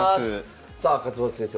さあ勝又先生